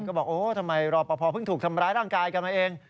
ก็บอกโอ้ทำไมรอปภเพิ่งถูกทำร้ายร่างกายกันมาเอง